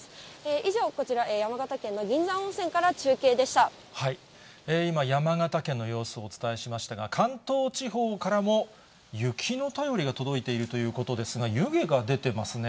以上、こちら、今、山形県の様子、お伝えしましたが、関東地方からも、雪の便りが届いているということですが、湯気が出てますね。